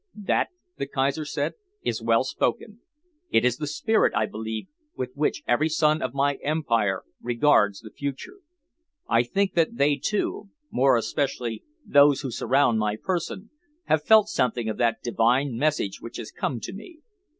"That," the Kaiser said, "is well spoken. It is the spirit, I believe, with which every son of my Empire regards the future. I think that they, too, more especially those who surround my person, have felt something of that divine message which has come to me.